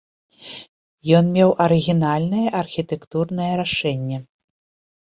Ён меў арыгінальнае архітэктурнае рашэнне.